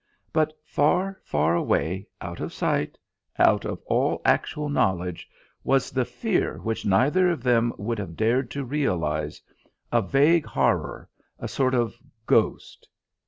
But far, far away, out of sight, out of all actual knowledge, was the fear which neither of them would have dared to realise, a vague horror, a sort of ghost....